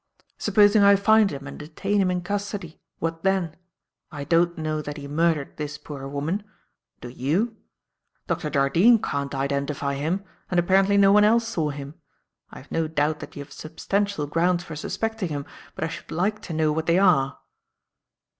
Supposing I find him and detain him in custody? What then? I don't know that he murdered this poor woman. Do you? Dr. Jardine can't identify him, and apparently no one else saw him. I have no doubt that you have substantial grounds for suspecting him, but I should like to know what they are."